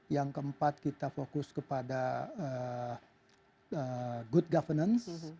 yang keempat kita fokus kepada good governance